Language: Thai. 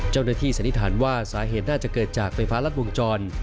สันนิษฐานว่าสาเหตุน่าจะเกิดจากไฟฟ้ารัดวงจร